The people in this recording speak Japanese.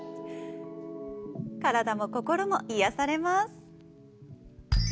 体も心も癒やされます。